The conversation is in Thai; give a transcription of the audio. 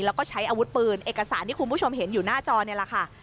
แล้วก็ใช้อาวุธปืนเอกสารที่คุณผู้ชมเห็นอยู่หน้าจอนี่แหละค่ะ